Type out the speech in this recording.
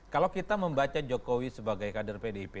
kalau kita membaca jokowi sebagai kader pdip